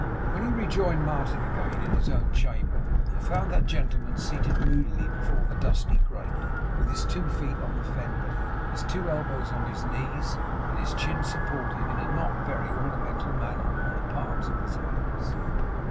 When he rejoined Martin again in his own chamber, he found that gentleman seated moodily before the dusty grate, with his two feet on the fender, his two elbows on his knees, and his chin supported, in a not very ornamental manner, on the palms of his hands.